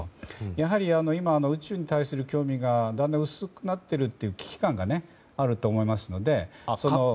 やはり今、宇宙に対する興味がだんだん薄くなっているという危機感があると思いますので。